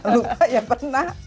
lupa ya pernah